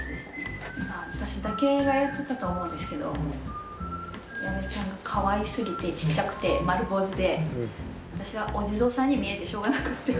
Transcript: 私だけがやってたと思うんですけど矢部ちゃんがかわいすぎてちっちゃくて丸坊主で私はお地蔵さんに見えてしょうがなくて。